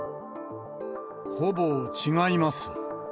ほぼ違います。